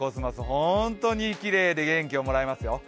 本当にきれいで元気をもらえますよ。